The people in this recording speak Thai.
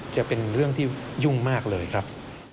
จะเป็นเรื่องที่ยุ่งมากเลยครับ